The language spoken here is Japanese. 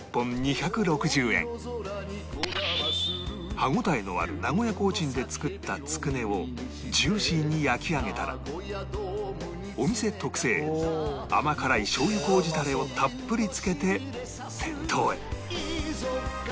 歯応えのある名古屋コーチンで作ったつくねをジューシーに焼き上げたらお店特製甘辛いしょう油麹タレをたっぷりつけて店頭へ